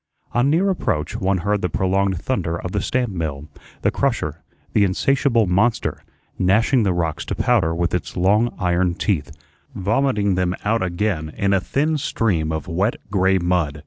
On near approach one heard the prolonged thunder of the stamp mill, the crusher, the insatiable monster, gnashing the rocks to powder with its long iron teeth, vomiting them out again in a thin stream of wet gray mud.